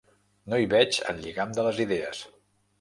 No hi veig el lligam de les idees.